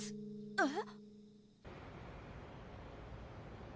えっ？